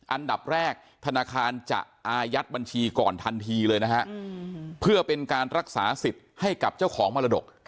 อันดับแรกธนาคารจะอายัดบัญชีก่อนทันทีเลยนะฮะเพื่อเป็นการรักษาสิทธิ์ให้กับเจ้าของมรดก